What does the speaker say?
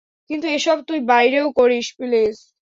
কিন্তু এসব তুই বাইরেও করিস, প্লিজ।